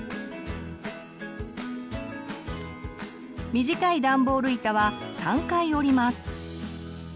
短いダンボール板は３回折ります。